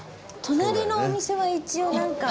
隣のお店は一応なんか。